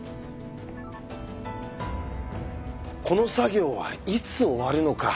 この作業はいつ終わるのか。